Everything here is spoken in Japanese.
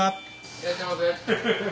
いらっしゃいませ。